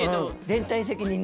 連帯責任。